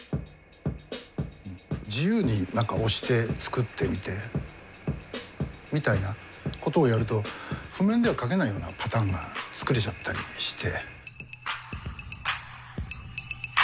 自由に何か押して作ってみてみたいなことをやると譜面では書けないようなパターンが作れちゃったりして。